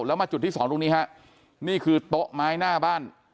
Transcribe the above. แล้วมาจุดที่สองตรงนี้ฮะนี่คือโต๊ะไม้หน้าบ้าน